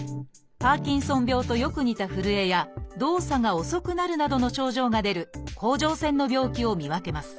パーキンソン病とよく似たふるえや動作が遅くなるなどの症状が出る甲状腺の病気を見分けます。